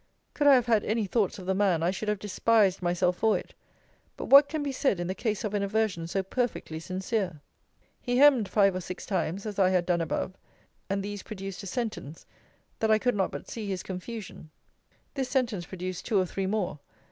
Could I have had any thoughts of the man, I should have despised myself for it. But what can be said in the case of an aversion so perfectly sincere? He hemmed five or six times, as I had done above; and these produced a sentence that I could not but see his confusion. This sentence produced two or three more.